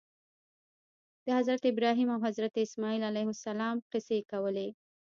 د حضرت ابراهیم او حضرت اسماعیل علیهم السلام قصې کولې.